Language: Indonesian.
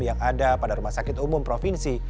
yang ada pada rumah sakit umum provinsi